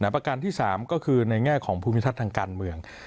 ประการที่สามก็คือในแง่ของภูมิธรรมการเมือง